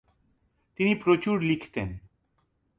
তিনি প্রচুর লিখতেন।